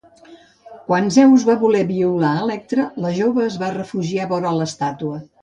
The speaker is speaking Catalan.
Quan Zeus va voler violar Electra, la jove es va refugiar vora l'estàtua.